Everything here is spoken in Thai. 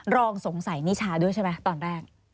รองสงสัยนิชาด้วยใช่ไหมตอนแรก